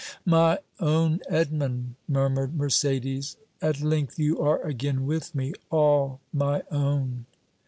"My own Edmond!" murmured Mercédès. "At length you are again with me all my own!"